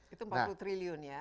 itu empat puluh triliun ya